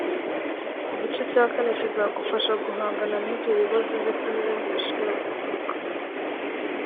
igice cya kane kizagufasha guhangana n’ibyo bibazo ndetse n’ibindi bishobora kuvuka